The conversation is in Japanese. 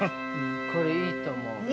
これ、いいと思う。